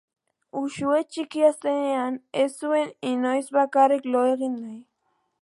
Uxue txikia zenean ez zuen inoiz bakarrik lo egin nahi.